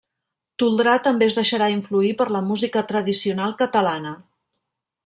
Toldrà també es deixarà influir per la música tradicional catalana.